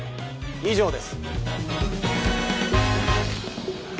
以上です。